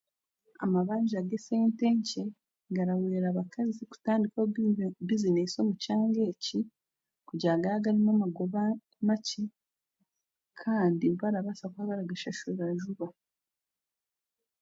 Amabanja g'esente nkye, garahwera abakazi kutandikaho bizine bizinesi omu kyanga eki kugira nigaagarimu amagoba makye kandi garabaasa kuba baragashashura juba.